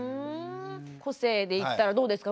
個性でいったらどうですか？